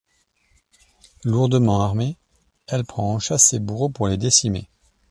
Lourdement armée, elle prend en chasse ses bourreaux pour les décimer.